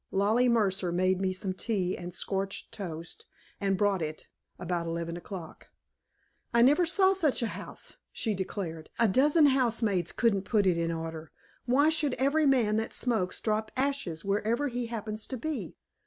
Lollie Mercer made me some tea and scorched toast, and brought it, about eleven o'clock. "I never saw such a house," she declared. "A dozen housemaids couldn't put it in order. Why should every man that smokes drop ashes wherever he happens to be?"